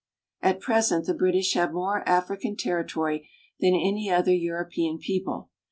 At present the British have more African territory than any other European people.